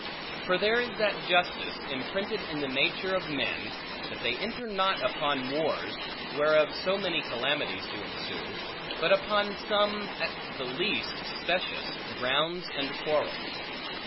For there is that justice, imprinted in the nature of men, that they enter not upon wars (whereof so many calamities do ensue) but upon some, at the least specious, grounds and quarrels.